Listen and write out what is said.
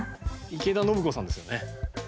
池田伸子さんですよね。